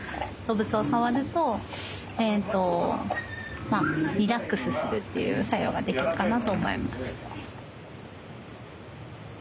動物を触るとリラックスするっていう作用ができるかなと思います。